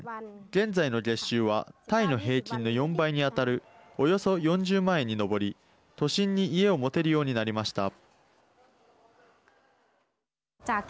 現在の月収はタイの平均の４倍に当たるおよそ４０万円に上り都心に家を持てるようになりました。